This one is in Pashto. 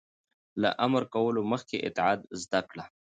- له امر کولو مخکې اطاعت زده کړه.